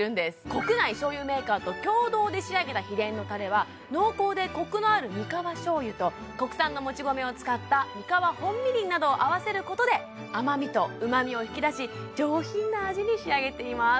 国内醤油メーカーと共同で仕上げた秘伝のタレは濃厚でコクのある三河醤油と国産のもち米を使った三河本みりんなどを合わせることで甘味とうまみを引き出し上品な味に仕上げています